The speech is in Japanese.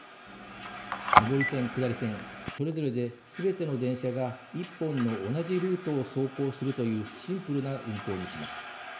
上り線、下り線それぞれで、すべての電車が１本の同じルートを走行するというシンプルな運行にします。